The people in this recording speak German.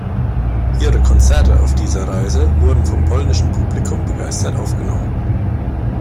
Ihre Konzerte auf dieser Reise wurden vom polnischen Publikum begeistert aufgenommen.